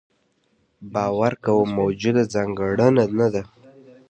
باور کومه موجوده ځانګړنه نه ده.